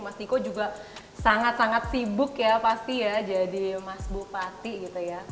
mas diko juga sangat sangat sibuk ya pasti ya jadi mas bupati gitu ya